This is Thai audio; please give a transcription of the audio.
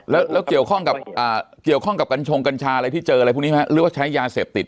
แล้วเกี่ยวข้องกับกัญชงกัญชาอะไรพี่เจออะไรไหมหรือถ้ายาเสพติด